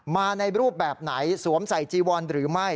มาในรูปแบบไหนสวมใส่จีวอนหรือไม่